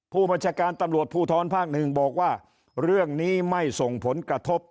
ผู้บัญชาการตำรวจภูทรภาคหนึ่งบอกว่าเรื่องนี้ไม่ส่งผลกระทบ